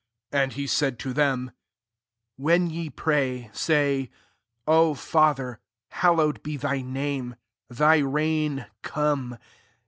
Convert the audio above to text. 2 And he said to th^a, " When ye pray, say, * O Fa ther, hallowed be thy name^ Thy reign come.